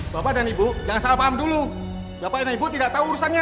bapak dan ibu jangan salah paham dulu bapak dan ibu tidak tahu urusannya